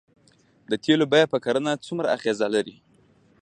د تیلو بیه په کرنه څومره اغیز لري؟